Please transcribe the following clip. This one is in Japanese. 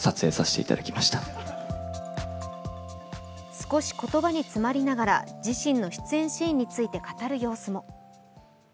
少し言葉に詰まりながら自身の出演シーンについて語る様子も。